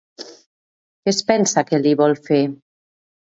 Què es pensa que li vol fer?